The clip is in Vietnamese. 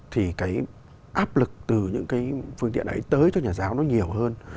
thì cái áp lực từ những cái phương tiện ấy tới cho nhà giáo nó nhiều hơn